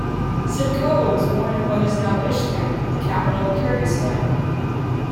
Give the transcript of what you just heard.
Sydykova was born in what is now Bishkek, the capital of Kyrgyzstan.